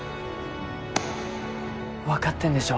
分かってんでしょ。